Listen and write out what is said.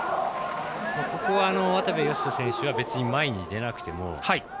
ここは渡部善斗選手は別に前に出なくても。